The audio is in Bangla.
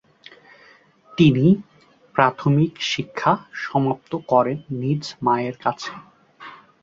তিনি প্রাথমিক শিক্ষা সমাপ্ত করেন নিজ মায়ের কাছে।